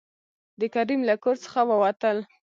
د کريم له کور څخه ووتل.